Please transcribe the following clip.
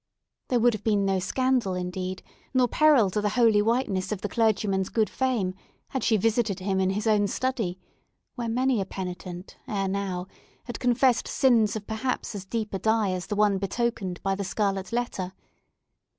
There would have been no scandal, indeed, nor peril to the holy whiteness of the clergyman's good fame, had she visited him in his own study, where many a penitent, ere now, had confessed sins of perhaps as deep a dye as the one betokened by the scarlet letter.